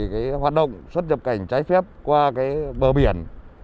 trong thời gian gần đây hoạt động xuất nhập cảnh trái phép qua bờ biển